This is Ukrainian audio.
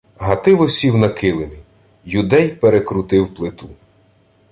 Гатило сів на килимі. Юдей перекрутив плиту: